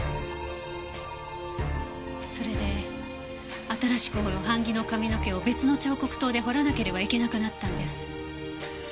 それで新しく彫る版木の髪の毛を別の彫刻刀で彫らなければいけなくなったんです。